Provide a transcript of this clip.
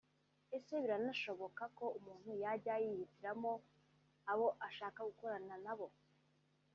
Ese biranashoboka ko umuntu yajya yihitiramo abo ashaka gukorana nabo